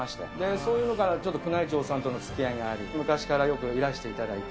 そういう人から宮内庁さんとつきあいがあり、昔からよくいらしていただいて。